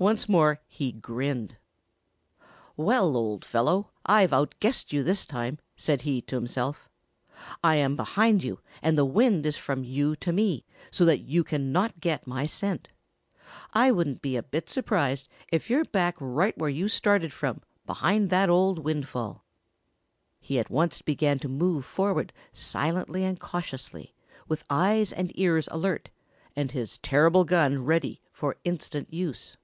Once more he grinned. "Well, old fellow, I've out guessed you this time," said he to himself. "I am behind you and the wind is from you to me, so that you cannot get my scent. I wouldn't be a bit surprised if you're back right where you started from, behind that old windfall." He at once began to move forward silently and cautiously, with eyes and ears alert and his terrible gun ready for instant use.